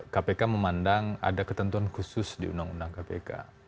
kpk memandang ada ketentuan khusus di undang undang kpk